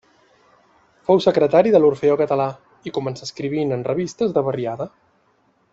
Fou secretari de l'Orfeó Català i començà escrivint en revistes de barriada.